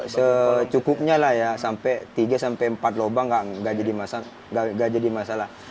secukupnya lah ya sampai tiga sampai empat lubang nggak jadi masalah